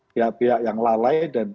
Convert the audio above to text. pihak pihak yang lalai